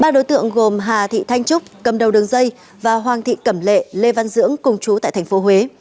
ba đối tượng gồm hà thị thanh trúc cầm đầu đường dây và hoàng thị cẩm lệ lê văn dưỡng cùng chú tại tp huế